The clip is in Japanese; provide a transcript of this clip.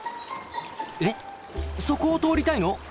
えっそこを通りたいの！？